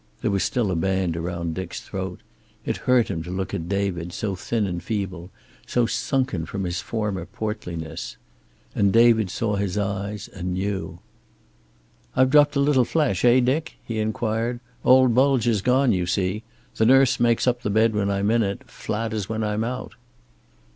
There was still a band around Dick's throat. It hurt him to look at David, so thin and feeble, so sunken from his former portliness. And David saw his eyes, and knew. "I've dropped a little flesh, eh, Dick?" he inquired. "Old bulge is gone, you see. The nurse makes up the bed when I'm in it, flat as when I'm out."